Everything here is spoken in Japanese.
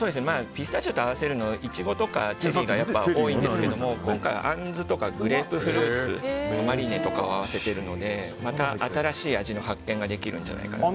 ピスタチオと合わせるのはイチゴとかチェリーが多いんですけど今回、あんずとかグレープフルーツのマリネとかを合わせているのでまた新しい味の発見ができるんじゃないかと。